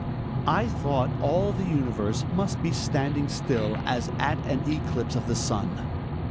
I thought all the universe must be standing still as at an eclipse of the sun.